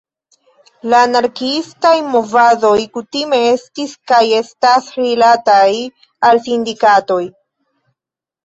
La anarkiistaj movadoj kutime estis kaj estas rilataj al sindikatoj.